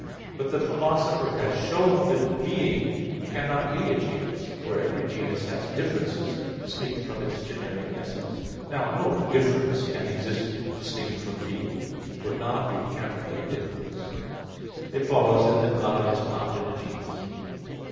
But the Philosopher has shown (Metaph. iii) that being cannot be a genus, for every genus has differences distinct from its generic essence. Now no difference can exist distinct from being; for non being cannot be a difference. It follows then that God is not in a genus.